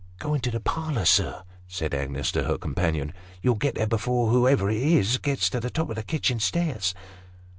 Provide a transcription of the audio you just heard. " Go into the parlour, sir," said Agnes to her companion. " You will get there, before whoever it is, gets to the top of the kitchen stairs."